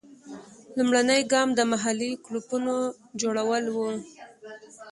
لومړنی ګام د محلي کلوپونو جوړول وو.